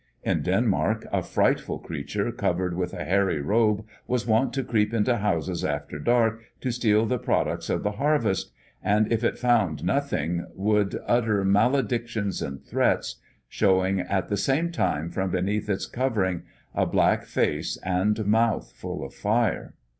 In Denmark a frightful creature covered with a hairy robe was wont to creep into houses after dark to steal the products of the harvest, and, if it found nothing, would utter maledictions and threats, showing at the same time from beneath its covering a black face and mouth full of fire.